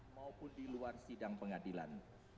maupun di luar sidang pengadilan